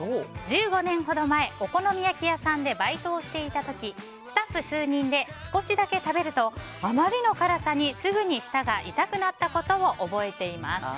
１５年ほど前お好み焼き屋さんでバイトをしていた時スタッフ数人で少しだけ食べるとあまりの辛さにすぐに舌が痛くなったことを覚えています。